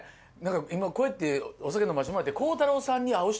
今こうやってお酒飲ましてもらって。